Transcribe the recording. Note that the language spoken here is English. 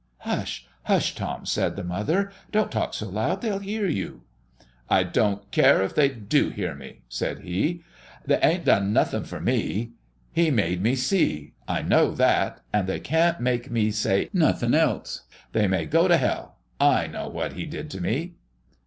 "Hush, hush, Tom!" said the mother; "don't talk so loud; they'll hear you." "I don't care if they do hear me," said he. "They ain't done nothing for me. He made me see. I know that, and they can't make me say nothing else. They may go to hell! I know what He did to me."